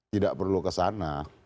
tidak perlu kesana